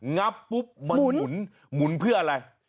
งับปุ๊บมันหมุนเพื่ออะไร